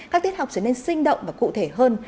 các tiết học trở nên sinh động và cụ thể hơn